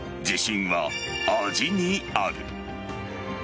自信は味にある。